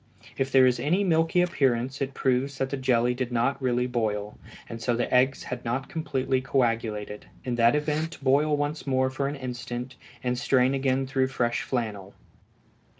If there is any milky appearance it proves that the jelly did not really boil, and so the eggs had not completely coagulated; in that event boil once more for an instant, and strain again through fresh flannel.